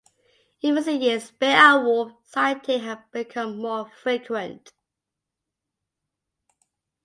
In recent years bear and wolf sighting have become more frequent.